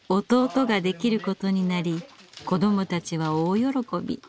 弟ができることになり子どもたちは大喜び。